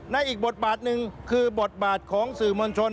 อีกบทบาทหนึ่งคือบทบาทของสื่อมวลชน